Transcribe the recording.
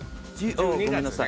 ごめんなさい。